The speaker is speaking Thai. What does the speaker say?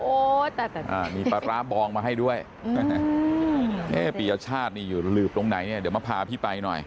โอ้แต่นี่ปลาร้าบองมาให้ด้วยปีชาติอยู่หลืบตรงไหนเดี๋ยวมาพาพี่ไปหน่อย